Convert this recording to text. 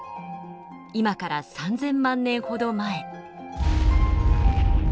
今から３，０００万年ほど前。